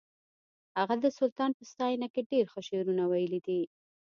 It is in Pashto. هغه د سلطان په ستاینه کې ډېر ښه شعرونه ویلي دي